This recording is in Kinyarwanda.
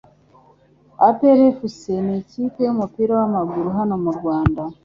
APR FC ni ikipe y'umupira w'amaguru hano mu Rwanda